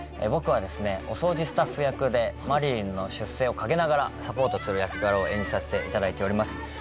僕はお掃除スタッフ役で麻理鈴の出世を陰ながらサポートする役柄を演じさせていただいております。